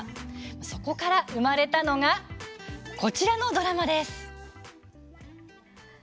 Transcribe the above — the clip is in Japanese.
そこから生まれたのがこちらのドラマです。